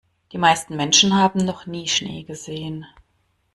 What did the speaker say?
Die meisten Menschen haben noch nie Schnee gesehen.